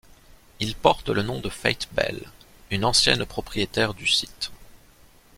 Il porte le nom de Fate Bell, une ancienne propriétaire du site.